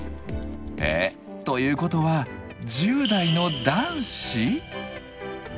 え？ということは１０代の男子？